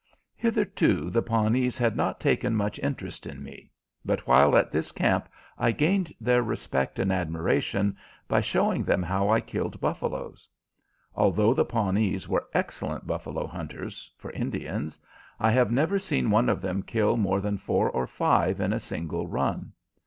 Hitherto the Pawnees had not taken much interest in me, but while at this camp I gained their respect and admiration by showing them how I killed buffaloes. Although the Pawnees were excellent buffalo hunters, for Indians, I have never seen one of them kill more than four or five in a single run.